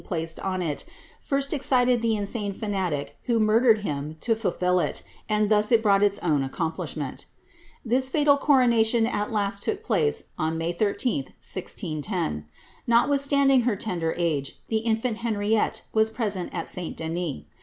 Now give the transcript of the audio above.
7 placed on it, first excited the insane fanatic who murdered him to fulfil it« and thus it brought its own accomplishment This dial coronation at last took place on May 13, 1610. Notwith standing her tender age, the infant Henriette was present at St Denis.